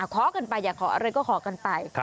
ขอกันไปอยากขออะไรก็ขอกันไป